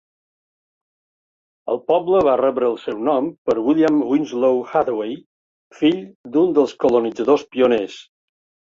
El poble va rebre el seu nom per William Winslow Hathaway, fill d'un dels colonitzadors pioners.